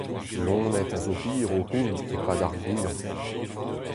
Loened a zo hir o hun e-pad ar goañv.